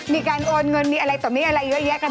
มีการโอนเงินมีอะไรต่อมีอะไรเยอะแยะกัน